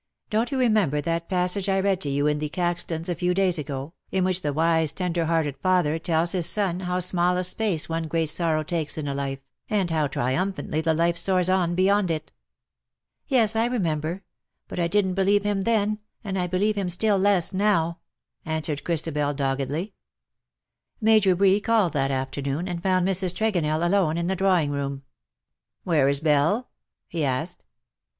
Don't you remember that passage I read to you in 'The Caxtons' a few days ago, in which the wise tender hearted father tells his son how small a space one great sorrow takes in a life, and how triumphantly the life soars on beyond it ?''" Yes, I remember ; but I didn't believe him then, and I believe him still less now," answered Christabel, doggedly. Major Bree called that afternoon, and found Mrs. Tregonell alone in the drawing room. 22 '' Where is Belle T' lie asked.